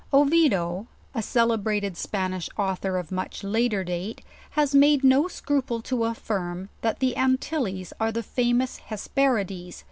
Oviedo, a celebrated Spanish author, of much later date, has made no scruple to affirm, that the Antilles are the famous Hesperides, LEWIS AND CLARKE.